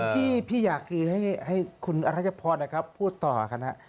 ที่พี่อยากคือให้คุณอรัชพรนะครับพูดต่อคณะ